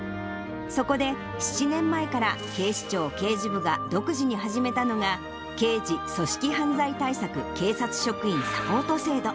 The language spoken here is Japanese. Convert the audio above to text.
そこで、７年前から警視庁刑事部が独自に始めたのが、刑事組織犯罪対策警察職員サポート制度。